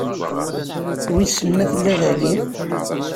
Wissen ma tella dagi?